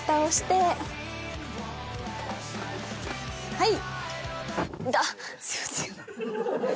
はい！